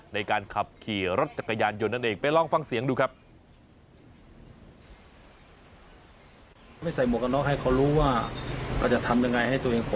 ในการขับขี่รถจักรยานยนต์นั่นเองไปลองฟังเสียงดูครับ